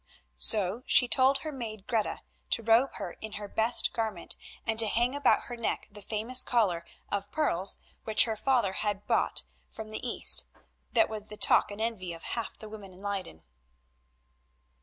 So she told her maid Greta to robe her in her best garment, and to hang about her neck the famous collar of pearls which her father had brought from the East, that was the talk and envy of half the women in Leyden.